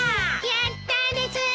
やったです！